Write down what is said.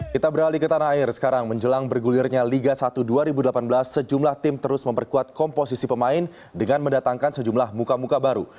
kita beralih ke tanah air sekarang menjelang bergulirnya liga satu dua ribu delapan belas sejumlah tim terus memperkuat komposisi pemain dengan mendatangkan sejumlah muka muka baru